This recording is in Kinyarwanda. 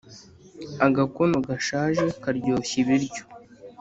Agakono gashaje karyoshya ibiryo